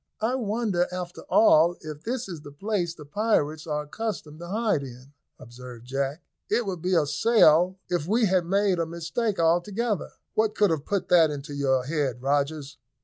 "I wonder, after all, if this is the place the pirates are accustomed to hide in," observed Jack. "It would be a sell if we had made a mistake altogether." "What could have put that into your head, Rogers?"